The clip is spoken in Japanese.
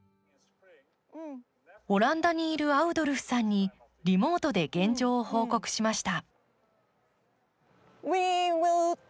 オランダにいるアウドルフさんにリモートで現状を報告しました。